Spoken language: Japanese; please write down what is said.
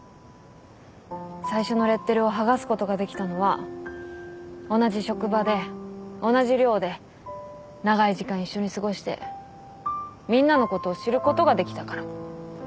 最初のレッテルを剥がすことができたのは同じ職場で同じ寮で長い時間一緒に過ごしてみんなのことを知ることができたから。